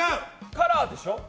カラーでしょ？